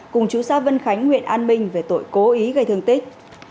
cùng chú xa vân khánh huyện an minh về tội cố ý gây thương tích